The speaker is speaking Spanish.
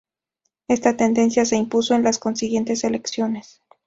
Esta tendencia se impuso en las consiguientes elecciones.